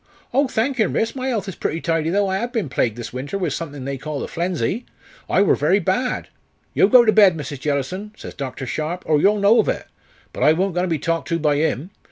Oh! thank yer, miss, my 'ealth is pretty tidy, though I 'ave been plagued this winter with a something they call the 'flenzy. I wor very bad! 'Yo go to bed, Mrs. Jellison,' says Dr. Sharpe, 'or yo'll know of it.' But I worn't goin' to be talked to by 'im.